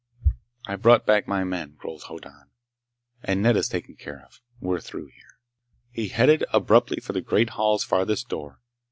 "I've brought back my men," growled Hoddan, "and Nedda's taken care of. We're through here." He headed abruptly for the great hall's farthest door.